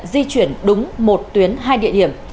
di chuyển đúng một tuyến hai địa điểm